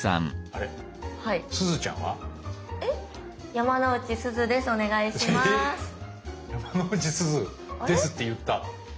「山之内すずです」って言った。